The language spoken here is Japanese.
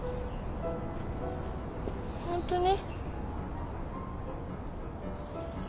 ホントに？